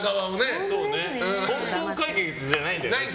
全部、根本簡潔じゃないんだよね。